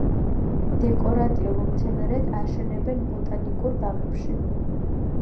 დეკორატიულ მცენარედ აშენებენ ბოტანიკურ ბაღებში.